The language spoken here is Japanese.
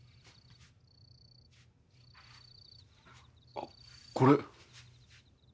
あっこれ。